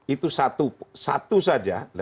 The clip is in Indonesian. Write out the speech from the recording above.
itu satu satu saja